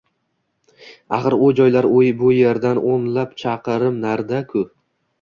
Axir u joylar bu erdan o`nlab chaqirim narida-ku